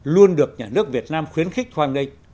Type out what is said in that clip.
luôn được nhà nước việt nam khuyến khích hoan nghênh